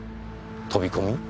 飛び込み？